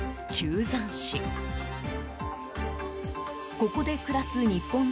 ここで暮らす日本人